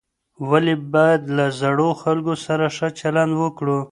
ولې باید له زړو خلکو سره ښه چلند وکړو؟